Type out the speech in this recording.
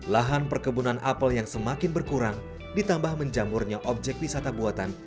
lahan perkebunan apel yang semakin berkurang ditambah menjamurnya objek wisata buatan